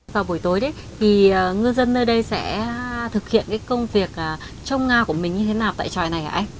vào buổi tối thì ngư dân nơi đây sẽ thực hiện công việc trong ngao của mình như thế nào tại tròi này hả anh